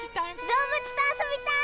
どうぶつとあそびたい！